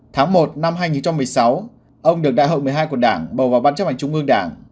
tháng một năm hai nghìn một mươi sáu ông được đại hội một mươi hai của đảng bầu vào ban chấp hành trung ương đảng